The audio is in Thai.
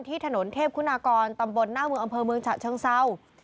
ถนนเทพคุณากรตำบลหน้าเมืองอำเภอเมืองฉะเชิงเศร้า